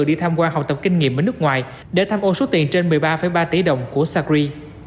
đi tham quan học tập kinh nghiệm ở nước ngoài để tham ô số tiền trên một mươi ba ba tỷ đồng của sacri